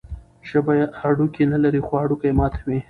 ژبه هډوکي نلري، خو هډوکي ماتوي.